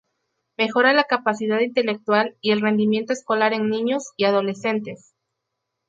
Mejora la capacidad intelectual y el rendimiento escolar en niños y adolescentes.